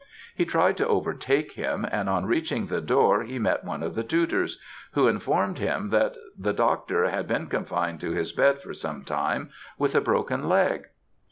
He tried to overtake him, and on reaching the door he met one of the tutors, who informed him that the Dr. had been confined to his bed for some time with a broken leg.